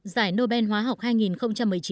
giải nobel hóa học hai nghìn một mươi chín